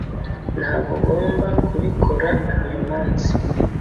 Ntabwo ugomba kubikora uyu munsi